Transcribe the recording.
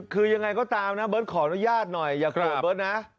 คือยังไงก็ตามนะเบิร์ตขออนุญาตหน่อยอย่าโกรธเบิร์ตนะ